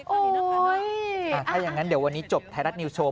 โอ๊ยถ้ายังงั้นเดี๋ยววันนี้จบไทยรัฐนิวโชว์